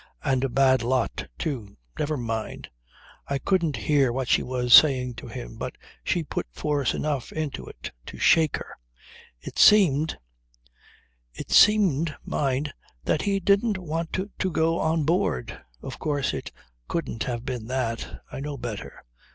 And a bad lot, too. Never mind. I couldn't hear what she was saying to him, but she put force enough into it to shake her. It seemed it seemed, mind! that he didn't want to go on board. Of course it couldn't have been that. I know better.